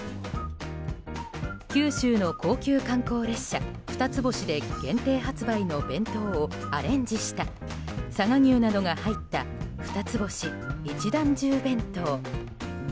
九州の高級観光列車「ふたつ星」で限定発売の弁当をアレンジした佐賀牛などが入ったふたつ星一段重弁当。